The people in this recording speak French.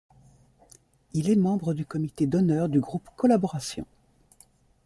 Il est membre du comité d'honneur du groupe Collaboration.